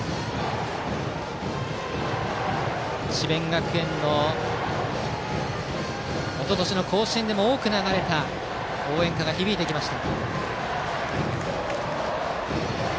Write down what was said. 智弁学園のおととしの甲子園でも多く流れた応援歌が響いてきました。